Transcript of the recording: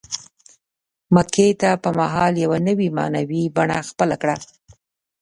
مکې په مهال یوه نوې معنوي بڼه خپله کړه.